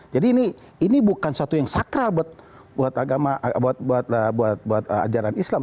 jadi ini bukan satu yang sakral buat agama buat ajaran islam